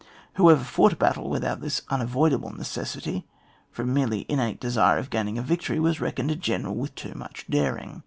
Whoever fought a battle without this unavoidable neces sitjy from mere innate desire of gaining a victory, was reckoned a general with too much daring.